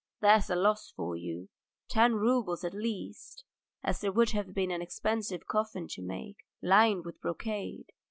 There's a loss for you, ten roubles at least, as there would have been an expensive coffin to make, lined with brocade.